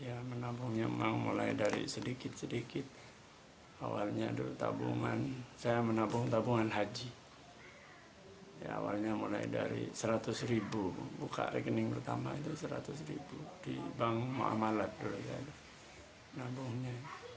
awalnya mulai dari seratus ribu buka rekening pertama itu seratus ribu di bank muamalat dulu saya nabungnya